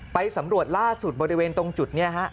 ไปสำรวจล่าสุดบริเวณตรงจุดนี้ฮะ